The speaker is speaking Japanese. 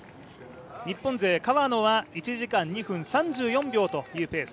日本勢川野は１時間２分３４秒というペース。